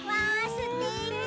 すてき。